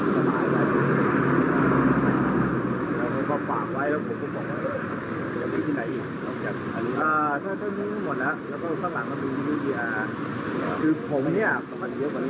คือผมนี่สำคัญเยอะกว่านี้นะครับ